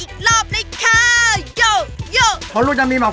ครับผมใช่ครับทุกอย่างในร้านมีแบบ